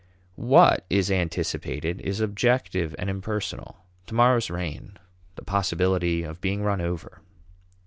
What is anticipated is objective and impersonal; to morrow's rain; the possibility of being run over.